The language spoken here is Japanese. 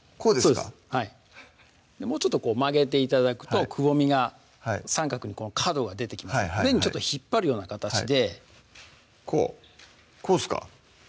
そうですはいもうちょっと曲げて頂くとくぼみが三角に角が出てきますので上にちょっと引っ張るような形でこうこうっすか？